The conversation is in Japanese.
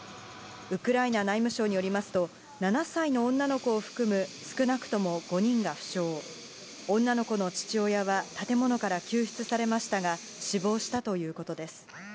ウクライナ内務省によりますと、７歳の女の子を含む少なくとも５人が負傷、女の子の父親は建物から救出されましたが、死亡したということです。